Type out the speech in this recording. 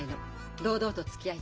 堂々とつきあいたい。